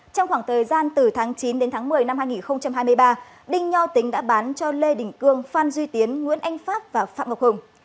trong khoảng thời gian từ tháng chín đến tháng một mươi năm hai nghìn hai mươi ba đinh nho tính đã bán cho lê đình cương phan duy tiến nguyễn anh pháp và phạm ngọc hùng